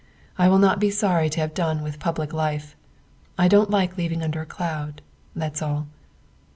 I will not be sorry to have done with public life. I don't like leaving under a cloud, that's all."